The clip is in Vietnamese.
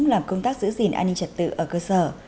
làm công tác giữ gìn an ninh trật tự ở cơ sở